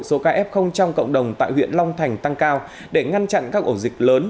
số ca f trong cộng đồng tại huyện long thành tăng cao để ngăn chặn các ổ dịch lớn